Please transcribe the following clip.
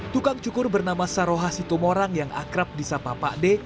tukang cukur bernama saroha sitomorang yang akrab di sapa pakde